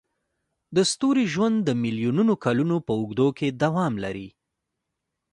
د ستوري ژوند د میلیونونو کلونو په اوږدو کې دوام لري.